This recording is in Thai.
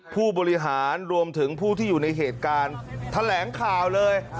ผู้บริหารรวมถึงผู้ที่อยู่ในเหตุการณ์แถลงข่าวเลย